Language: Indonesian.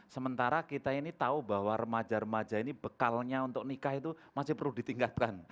sementara kita ini tahu bahwa remaja remaja ini bekalnya untuk nikah itu masih perlu ditingkatkan